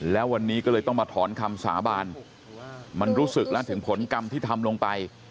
แล้ววันนี้ก็เลยต้องมาถอนคำสาบานมันรู้สึกแล้วถึงผลกรรมที่ทำลงไป